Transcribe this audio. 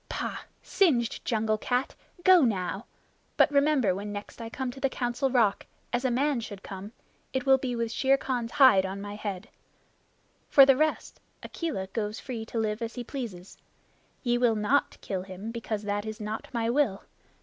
"Pah! Singed jungle cat go now! But remember when next I come to the Council Rock, as a man should come, it will be with Shere Khan's hide on my head. For the rest, Akela goes free to live as he pleases. Ye will not kill him, because that is not my will.